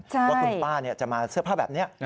ว่าคุณป้าจะมาเสื้อผ้าแบบนี้